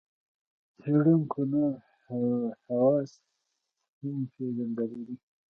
څېړونکو نور حواس هم پېژندلي دي.